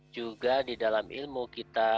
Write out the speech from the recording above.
juga di dalam ilmu kita